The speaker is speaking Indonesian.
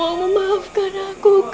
mau memaafkan aku kak